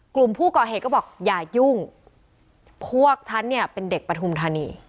กลุ่มผู้ก่อเหตุก็บอกอย่ายุ่งพวกฉันเนี่ยเป็นเด็กปฐุมธานี